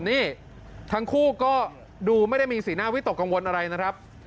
นี่ทั้งคู่ก็ดูไม่ได้มีสีหน้าวิตกกังวลอะไรนะครับ